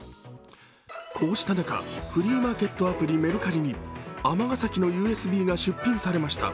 こうした中、フリーマーケットアプリ・メルカリに尼崎のＵＳＢが出品されました。